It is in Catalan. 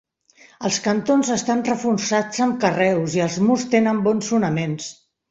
Els cantons estan reforçats amb carreus i els murs tenen bons fonaments.